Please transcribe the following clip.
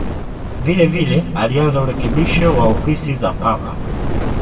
Vilevile alianza urekebisho wa ofisi za Papa.